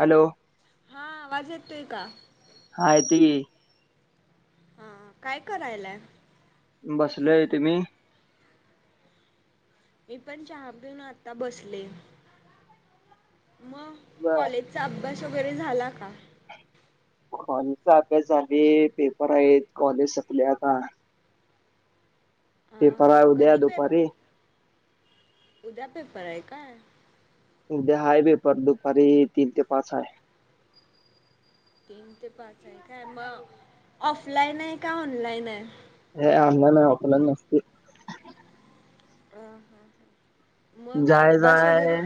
Hello. हा आवाज येतोय का? हाय येतोय की. हा, काय करायलाय? बसलोय तुम्ही? मी पण चहा पिऊन आता बसले, मग बर कॉलेज चा अभ्यास वगैरे झाला का? कॉलेजचा अभ्यास झाले, पेपर आहेत कॉलेज संपलय आता. हा पेपर हा आहे उद्या कधी दुपारी पेप उद्या पेपर हाय काय? उद्या हाय पे. दुपारी तीन ते पाच हाय. तन तेे पाच आहे काय, मग ऑफलाईन आहे, काय ऑनलाईन आहे? हे ऑनलाईन आहे, ऑफलाईन नसतय. ह हा. मग काय अभ्यास वगैरे जायजाय,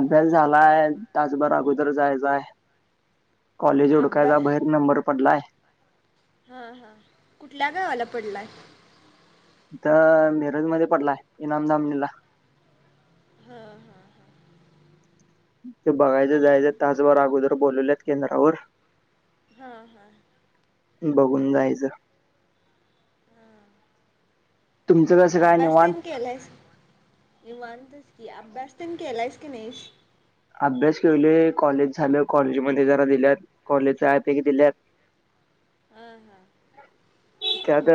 अभ्यास झालाय, तासभर अगोदर जायजाय कॉलेज हुडकायच हाय. अभ्यास भायेर नंबर पडलाय. हा हा, कुठल्या गावाला पडलाय? त मीरज मध्ये पडलाय, इनामदामनी ला हा. हा ते बघायच अब जायचे, तास भर अगोदर बोलवल्यात केंद्रावर हा हा. बघून जायचं हम. तुमचं कसं काय निवांत अभ्यासतन केलायेस, निवानतच की, अभ्यासतेन केलायस की नाहीश? अभ्यास केलोय. कॉलेज झाल, कॉलेजमध्ये जरा दिल्यात कॉलेजच्या अँप पैकी दिल्यात हा हा खर त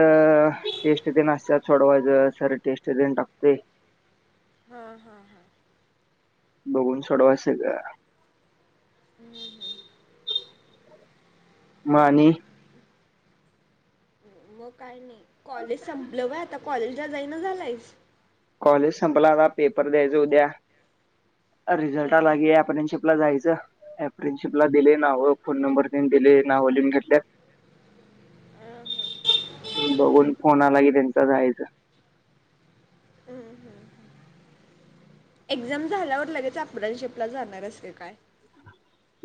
टेस्ट तेण आसत्यात सोडवायचं, सर टेस्ट तेन टाकतोय. हा हा. बघून सोडवायच सगळं. [inaudible] म आणि मग काय नाही, कॉलेज संपलं व्हय आता कॉलेजला जाईना झालायस. कॉलेज संपला, आता पेपर द्यायचे उद्या. रिझल्ट हा आला की आपण अप्रेनशिपला जायचं. अप्रेनशिपला दिले नाव, फोन नंबर देऊन दिले, नाव लिहून घेतल्यात. अ हम्म बघून फोन आला की त्यांचा जायचं. हम्म हम्म एक्झाम झाल्यावर लगेच अप्रेनशिपला जाणार आहेस का काय?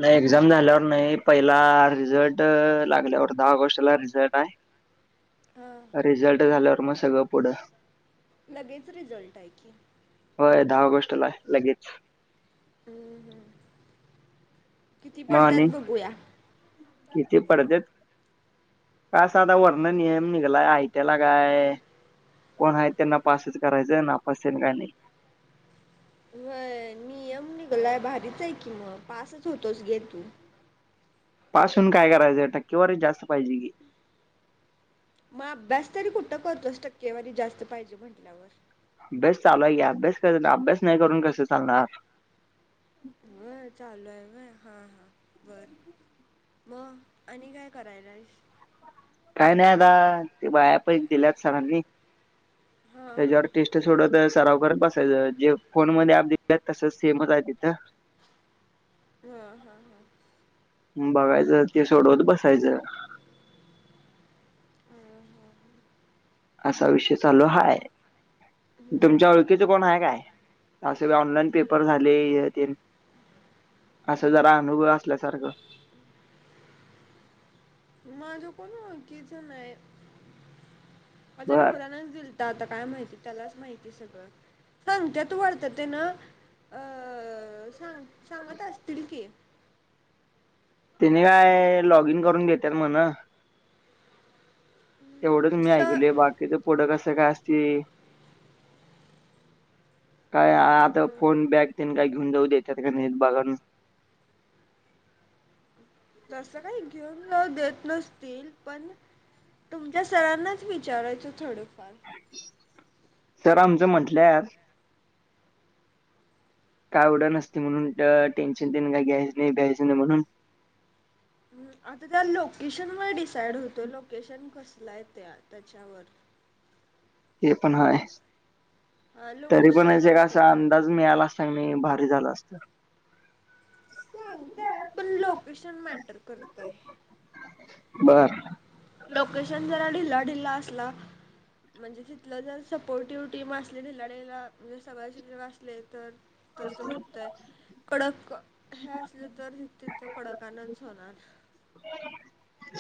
नाही, एक्झाम झाल्यावर नाही, पहिला रिझल्ट लागल्यावर दहा ऑगस्टला रिझल्ट आहे. हा रिझल्ट झाल्यावर मग सगळं पुढं लगेच रिझल्ट आहे की? होय, दहा ऑगस्टला हाय लगेच. किती मग पडतात आणि बघूया. किती पडत्यात. का साधा वरण नियम निघलाय आहेय त्याला काय. कोण आहे त्यांना पासच करायचं, नापास ते काही नाही. व्हय, नियम निघलाय भारीचय की मग पासच होतोस रे तू पास होऊन काय करायचंय? टक्केवारी जास्त पाहिजे की. मग अभ्यास तरी कुठं करतोस टक्केवारी जास्त पाहिजे म्हटल्यावर? अभ्यास चालू आहे की, अभ्यास करुन अभ्यास नाही करून, कसं चालणार? व चालू ए काय हा हा बर. मग आणि काय करायला? काय नाही आता ते बाया प दिल्यात सरांनी हा हा त्याच्यावर टेस्ट.. थोड तर सराव करत बसायच जे फोन मध्ये ऍप दिलत तसच सेमच आहे तिथ. हम हम हां बघायच ते सोडवत बसायच. ह हां असा विषय चालू हाय, तुमच्या हम्म ओळखीच कोण हाय काय? असे बी ऑनलाईन पेपर झाले, ते असं जरा अनुभव असल्यासारखं. माझं कोण ओळखीचा नाही अचानक बर होराणाच दिल आता काय माहिती, त्यालाच माहिती सगळं, सांगते तू वाळत ते ना. अअसांग सांगत असतील की. त्याने काय लॉग इन करून घेत्यात म्हण. तेवढच हम्म मी स ऐकले बाकीच पुड कस काय असते. काय आता हम्म फोन बॅग त काय घेऊन जाऊ द्याच्यात का नाही बघा. ‌ तस काही घेऊन देत नसतील पण. तुमच्या सरांनाच विचारायच थोडफार. सर आमच म्हटल्यात. काय एवड नसते म्हणून टेन्शन तेन काय घ्यायच नाही देतच नाही म्हणून. आता त्या लोकेशन व डिसाइड होतो लोकेशन कसल आहे त्या त्याच्यावर. ते पण हाय. अं लोकेशन मॅटर का.. तूम्ही आला असता का नाही भारी झाल असत. सांगताय पण लोकेशन मॅटर करतोय. बर. लोकेशन जरा ढिल्ला ढिल्ला असला.. म्हणजे तिथलं जर सपोर्टिव्ह टीम असली ढिलाढिला म्हणजे सगळ शिकण असले तर तस होतय, कडक हे असले तर तिथ कडकानच होणार.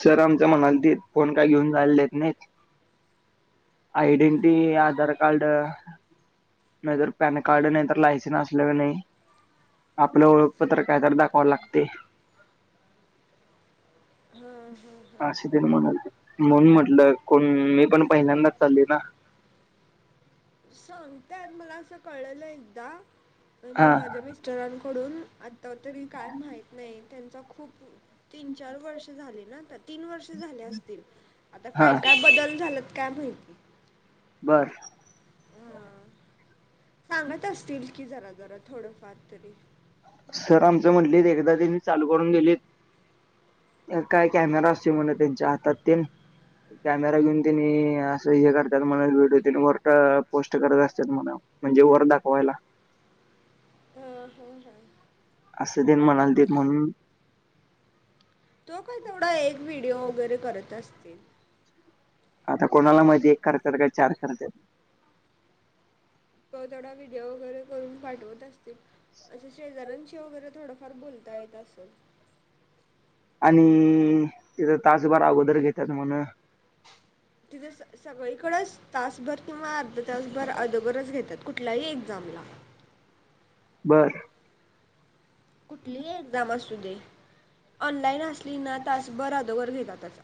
सर आमचं मनाल ते फोन काय घेऊन जालेेत नाही. ऐडेंटटी, हम्म आधार कार्ड. नाहीतर पॅन कार्ड नाही तर लायसेन् असल का नाही. आपल ओळखपत्र कायत दाखवाव लागतय. हम्म हम्म हम्म. असे त म्हणाल म्हणून म्हटल कोण मी पण पहिल्यांदाच... चालले ना. सांगताय मला अस कळलेल एकदा. हा म्हणजे माझ्या मिस्टरांकडून आत्ता तरी काय माहीत नाही त्यांचा खूप.. तीन -चार वर्ष झाले ना आ तीन वर्ष झाले असतील, आता हा काय काय बदल झाला. काय माहीत. बर. हम. सांगत असतील की जरा जरा थोडंफार तरी सर आमच म्हटले एकदा ते नी चालू करून देलेत. काय कॅमेरा असे म्हण त्यांच्या हातातील कॅमेरा घेऊन त्यांनी अस हे करतात म्हण व्हिडिओ त्यानी फरट पोस्ट करत असतात म्हण. म्हणजे वर दाखवायला. हम हम हम. अस देन म्हणाल ते म्हणून. तो काही तेवढा एक व्हिडिओ वगैरे करत असतील. आता कोणाला मध्ये एक करतात का चार करतात. कै तेडा व्हिडिओ वगैरे करून पाठवत असतील. असं शेजार्यांशी वगैरे थोडंफार बोलता येत असं आणि तिचा तासभर अगोदर घेतात म्हण. तिथे सगळीकडेच तासभर किंवा अर्ध तासभर अदोबरच घेतात कुठल्याही एक्झामला बरं कुठलीही एक्झाम असू दे ऑनलाईन असली ना तास बर अधवरर घेतात त्याचा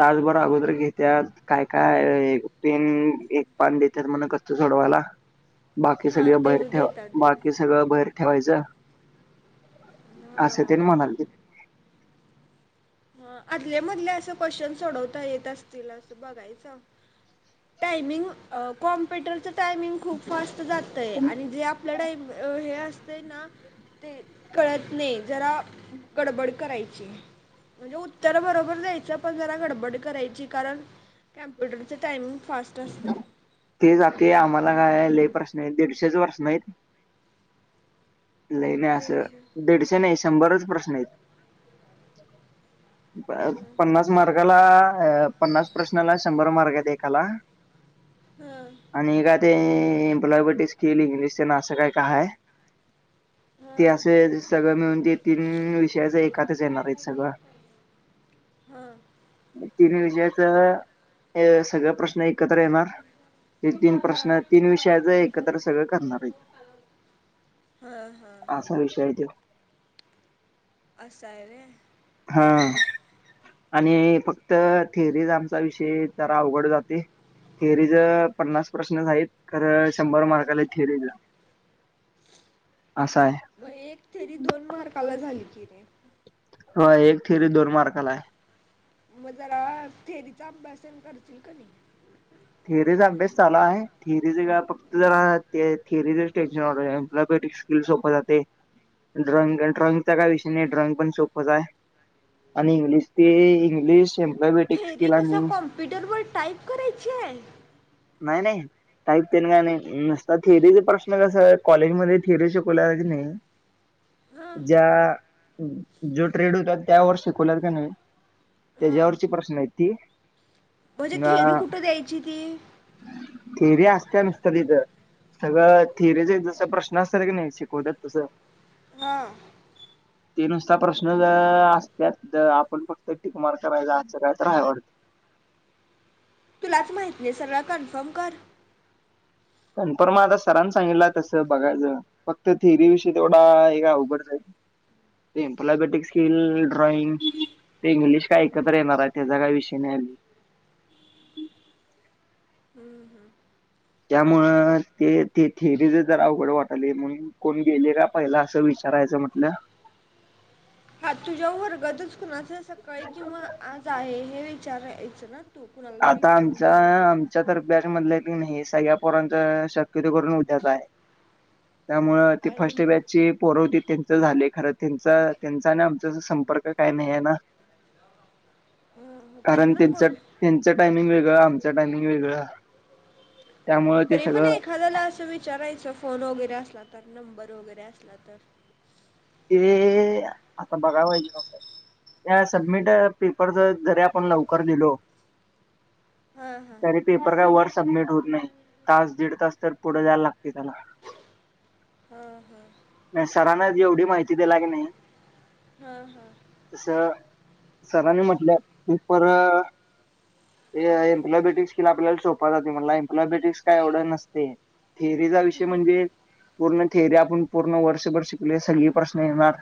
तासभर अगोदर घेत्यात काय काय पेन एक पान देतात म्हण कसत सोडवायला. बाकी हां सगळ ते बाहेर ठेवा देतात बाकीच.. देतात सगळ भहेर ठेवायच अस ते हां म्हणाले. ह आदल्या मधले अस क्वेशन सोडवता येत असतील अस बघायच. टायमिंग. कॉम्प्युटरच टायमिंग खूप फास्ट जातय आणि जे आपल टडाईम हे असत. ते ना ते कळत नाही जरा गडबड करायची. म्हणजे उत्तर बरोबर जायचं पण जरा गडबड करायची कारण स्पुटरचं टायमिंग फास्ट असते. ते जाते आम्हाला काय प्रश्न आहे दीडशेच वर्ष नाहीत. लई नाही असं दीडशे दीडशे नाही शंभरच प्रश्न आहेत. पन्नास मार्काला अ पन्नास प्रश्नाला शंभर मार्ग आहे एखाला. हम आणि का ते ब्लॉबटी स् खेल इंग्लिशच ना असं काय काय. ते हां असं सगळं मिळून ते तीन विषयाच एखातच येणार आहेत सगळं. हां तिन्ही विजयाच सगळ प्रश्न एकत्र येणार. ते तीन हां प्रश्न तीन विषयाच एकत्र सगळं करणार आहे. हा हा असा विषय आहे त असं आहे रे हा आणि फक्त थिअरी आमचा विषय जरा अवघड जाते. थिअरीच पन्नास प्रश्न झा आहेतत खरं शंभर मार्काला थिअरीचा असां आहे. मग एक तरी दोन मार्काला झाली कि रे हो एक थिअरी दोन मार्काला आहे. मग जरा फथेरीचं अभ्यासन करतील क नाही. थिअरीचा अभ्यास चाला आहे थिअरी फक्त जरा ते थिरीच टेन्शन वाम्बेटिक्स सोपं जाते ड्रॉइंग ड्रॉइंगचा काय विषय नाही ड्रॉइंग पण सोपंच आहे. आणि इंग्लिश ते इंग्लिश. एम्प्लॉयबेटिक थेरी स्किल आणि कसं कॉम्प्युटरवर टाइप करायची आहे. नाही नाही. टाकते ना का नाही नसता थिअरीचा प्रश्न कस आहे कॉलेजमध्येध्ये थिअरी शिकवला की नाही. हां ज्या जो ट्रेड होत त्यावर शिकवल्यात का नाही. हां त्याच्यावरची प्रश्न आहेत ती म्हणजे थेरी कुठं द्यायची ती. फरी असत नुसतं तिथं. सगळं थिअरीचे जस प्रश्न असतात की नाही शिकवतात तसं. हा. [unintelligible] ते नुसता प्रश्न ज असत आपण फक्त टिकमार करायचा असचं काय तर आहेवटतं. तुलाच माहिती नाही सगळ कन्फर्म कर. कन्फर्म आता सरांने सांगितलला तसं बघायचं. फक्त थिरी विषयी तेवढा हे का अवघड राल. इम्पलाबेटिक स्किल ड्रॉइंग ते इंग्लिश काय ऐकत्र येणार आहे त्याचा काय विषय नाही आली. हम्म हम्म त्यामुळ ते ते थेरी जरा अवघड वाटायल म्हणून कोण गेलंय का पहिला असं विचारायचं म्हटलं. हा तुझ्या वर्गातच कुणाच सकाळी किंवा आज आहे हे विचारयचं ना तू. टोकून आलं तरी फोन करू. च्या तर्फे म्हंटल्यात नी सगळ्या पोरांच शक्यते करून उद्याच आहे. त्यामु ती फर्स्ट आणि ए बॅच. ज पोरवती त्यांच झाले खरं त्यांचा त्यांचा आणि आमचा संपर्क काय नाही आहे ना. ह. हं तरी कारण पण त्यांच कोण त्यांचं टायमिंग वेगळं आमचं टायमिंग वेगळं. त्यामुळे ते तरी पण सगळं एखाद्याला असं विचारायचं फोन वगैरे असला तर नंबर वगैरे असला तर ए आता बघा पाहिजे न. या सबमिट पेपरच जरी आपण लवकर लिलो. हां हां तरी पेपर काय वर सबमिट होत नाही तास दीड तास तर पुढे जायला लागतय त्याला हां हां नाही सरांन एवढी माहिती दिला की नाही. हा हा. तस सरांनी म्हंटल्यात ती पर एम्प्लॉबेटिक्स किला आपल्याला सोप जातंय म्हटलंय एम्प्लॅबेटिक् काय एवढं नसते. थेअरीचा विषय हम्म म्हणजे पूर्ण थेअरी आपण पूर्ण वर्षभर शिकले सगळे प्रश्न येणार.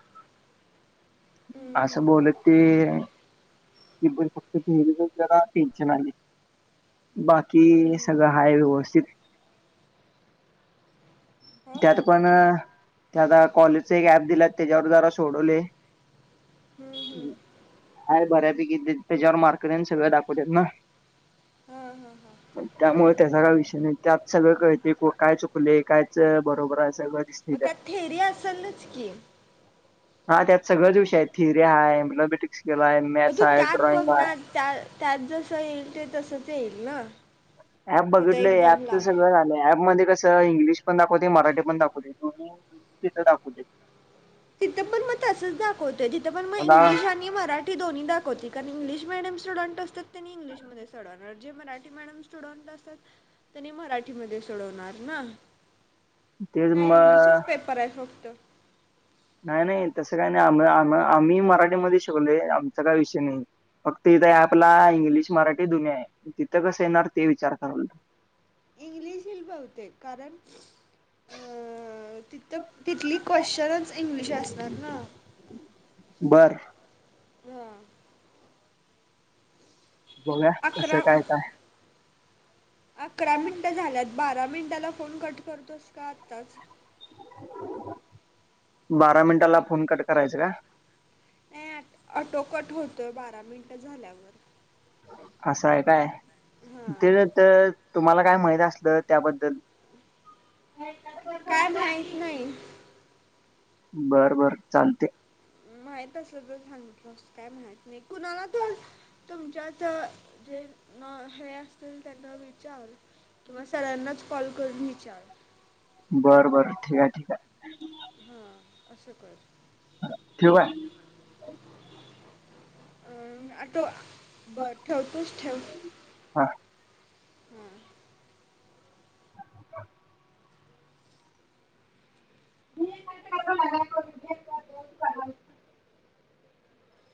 हम्म हम्म असं बोलोलत ते फक्त जरा टेन्शन आली. बाकी हम्म सगळं आहे व्यवस्थित त्यात होघता पण की त्या आता कॉलेजच एक ऍप दिला त्याच्यावर जरा सोडवलोय. [unintelligible] आहे बऱ्यापैकी त्याच्यावर मार्कट ये सगळ दाखवतात ना. हा हा हा [unintelligible] त्यामुळे त्याचा का विषय नाही ते सगळं कळते काय चुकले कायच बरोबर आहे सगळं. मग त्यात थेरी असेलच की हा त्यात सगळच विषय हायत. थियरी हाय, [unintelligible] हाय, मग मॅथस तू हाय, त्यात बघ ड्रॉईंग हाय. ना त्या त्यात जसं येईल ते तसंच येईल ना? ऍप तिथं बघितलंय एक्झामला ऍपच सगळं झालंय. ऍप मध्ये कस त इंग्लिश पण दाखवते, मराठी पण दाखवतय. म्हनून तिथं दाखवतय तिथं पण म तसच दाखवतोय. तिथं पण म मला इंग्लिश आणि मरा ठी दोन्ही दाखवतय कारण इंग्लिश मिडीयम स्टुडंट असत्यात तेनी इंगलिशमध्ये सोडवणार, जे मराठी मडियम स्टू स्टुडंट असत्यात तेनी मराठीमध्ये सोडवणार ना? तेच काय म इंगलिशच पेपर हाय फक्त? नाही नाही तसं काही नाही. आम-आम-आम आम्ही मराठीमध्ये शिकलोय. आमचा काय विषय नाही. फक्त इथ ॲप ला इंग्लिश मराठी दोन्ही आहे. तिथं कसं येणार? ते विचार करालोय. इंग्लिशील ईल बहुतेक कारण अ तीत तिथल क्वेशनच इंग्लिश असणार ना? बर. हा. बघूया कसं अकरा काय काय अकरा मिनिटं झाल्यात. बारा मिनटाला फोन कट करतोस का आत्ताच? बारा मिनटाला फोन कट करायचं काय? नाही [unintelligible] ऑटो कट होतोय बारा मिनटं झाल्यावर. असं आहे काय? ते हां तर तुम्हाला काय माहित असल त्याबद्दल काय माहीत नाइ. बर बर चालतय. माहित असलं तर सांगितलो असतो. काय माहीत नाही कुणाला तर तुमच्यात जे हे असतील त्यांना विचार किंवा सरानाच कॉल करून विचार. बरं बर. ठीक हाय, ठीक हाय. हा. असं कर ठेवू काय? अर आटो बर ठेवतोस? ठेव. हा. हा [inaudible] [unintelligible]